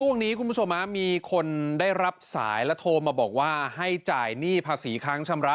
คุณผู้ชมมีคนได้รับสายและโทรมาบอกว่าให้จ่ายหนี้ภาษีค้างชำระ